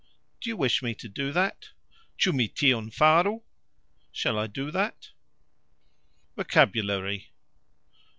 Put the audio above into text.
Do you wish me to do that? "Cxu mi tion faru?" Shall I do that? VOCABULARY.